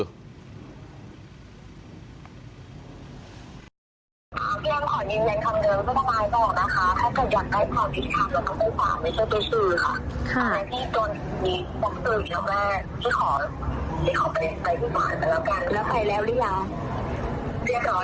อ่าพี่แอมขอยืนยันคำเดิมนักกำลังไปต่อนะคะ